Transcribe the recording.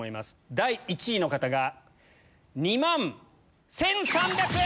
第１位の方が２万１３００円！